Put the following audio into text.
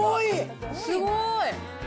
すごーい。